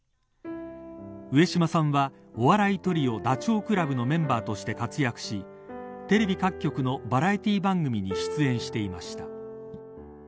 上島さんはお笑いトリオダチョウ倶楽部のメンバーとして活躍しテレビ各局のバラエティー番組に出演していました。